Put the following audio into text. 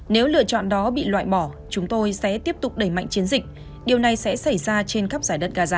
nếu lựa chọn đó bị loại bỏ chúng tôi sẽ tiếp tục đẩy mạnh chiến dịch điều này sẽ xảy ra trên khắp giải đất gaza